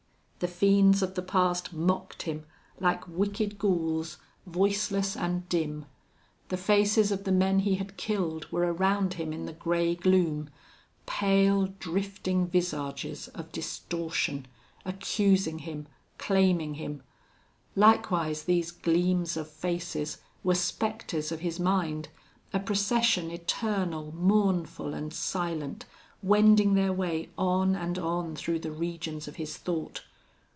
The fiends of the past mocked him, like wicked ghouls, voiceless and dim. The faces of the men he had killed were around him in the gray gloom, pale, drifting visages of distortion, accusing him, claiming him. Likewise, these gleams of faces were specters of his mind, a procession eternal, mournful, and silent, wending their way on and on through the regions of his thought.